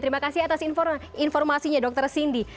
terima kasih atas informasinya dr cindy